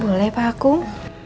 boleh pak kum